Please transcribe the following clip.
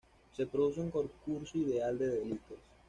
Se produce un concurso ideal de delitos.